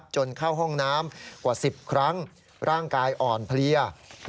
จนเข้าห้องน้ำกว่า๑๐ครั้งร่างกายอ่อนเพลีย